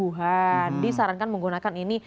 tuhan disarankan menggunakan ini